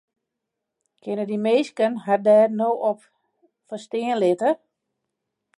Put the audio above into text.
Kinne dy minsken har dêr no op foarstean litte?